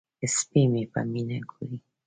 سپی مې په مینه ګوري.